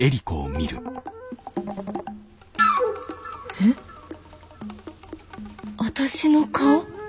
えっ私の顔？